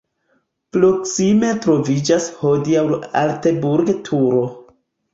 Proksime troviĝas hodiaŭ la Alteburg-turo.